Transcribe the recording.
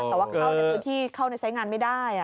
แต่ว่าเขาในบุตรที่เข้าในใช้งานไม่ได้